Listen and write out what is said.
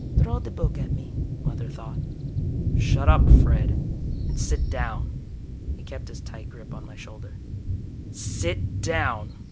_ Throw the book at me, Mother thought. "Shut up, Fred. And sit down." He kept his tight grip on my shoulder. "Sit down!"